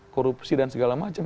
korupsi dan segala macam